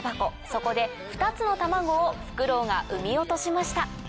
そこで２つの卵をフクロウが産み落としました。